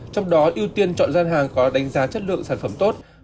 trong đó ưu tiên chọn gian hàng có đánh giá chất lượng sản phẩm tốt